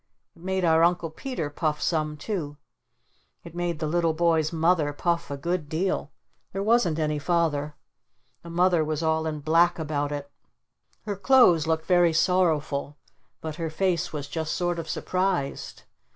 It made our Uncle Peter puff some too. It made the little boy's Mother puff a good deal. There wasn't any Father. The Mother was all in black about it. Her clothes looked very sorrowful. But her face was just sort of surprised.